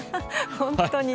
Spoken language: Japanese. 本当にね。